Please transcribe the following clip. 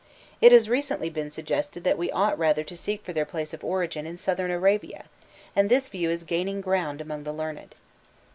It has recently been suggested that we ought rather to seek for their place of origin in Southern Arabia, and this view is gaining ground among the learned.